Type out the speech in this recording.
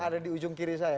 ada di ujung kiri saya